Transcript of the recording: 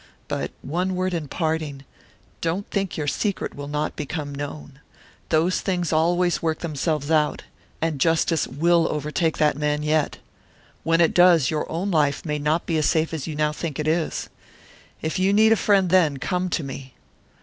But one word in parting: don't think your secret will not become known. Those things always work themselves out, and justice will overtake that man yet. When it does, your own life may not be as safe as you now think it is. If you need a friend then, come to me."